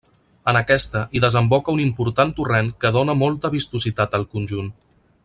En aquesta hi desemboca un important torrent que dóna molta vistositat al conjunt.